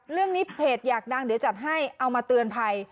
เรื่องนี้เพจอยากดังเดี๋ยวจัดให้เอามาเตือนภัย